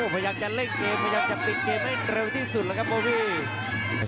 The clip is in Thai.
พยายามจะเล่นเกมพยายามจะปิดเกมให้เร็วที่สุดแล้วครับโบวี